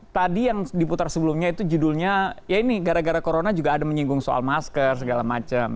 tadi yang diputar sebelumnya itu judulnya ya ini gara gara corona juga ada menyinggung soal masker segala macam